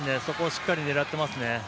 そこをしっかり狙ってますね。